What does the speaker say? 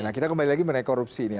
nah kita kembali lagi mengenai korupsi ini